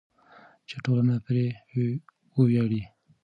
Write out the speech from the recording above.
چې ټولنه پرې وویاړي.